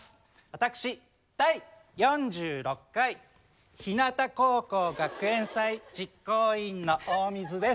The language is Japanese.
私第４６回ひなた高校学園祭実行委員の大水です。